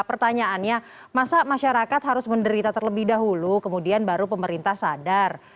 pertanyaannya masa masyarakat harus menderita terlebih dahulu kemudian baru pemerintah sadar